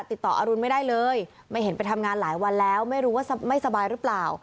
อรุณไม่ได้เลยไม่เห็นไปทำงานหลายวันแล้วไม่รู้ว่าไม่สบายหรือเปล่า